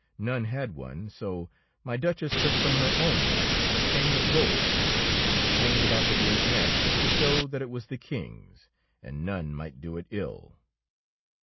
None had one ; so my Duchess took from her own neck a chain of gold, and it was hanged about the deer's neck to show that it was the King's, and none might do it ill.